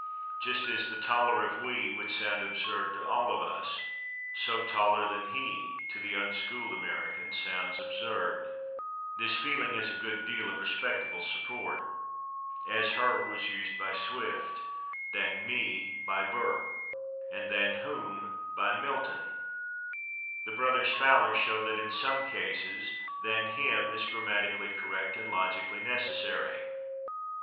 Just as "the taller of /we/" would sound absurd to all of us, so "taller than /he/," to the unschooled American, sounds absurd. This feeling has a good deal of respectable support. "As /her/" was used by Swift, "than /me/" by Burke, and "than /whom/" by Milton. The brothers Fowler show that, in some cases, "than /him/," is grammatically correct and logically necessary.